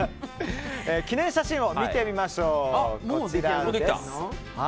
記念写真を見てみましょう。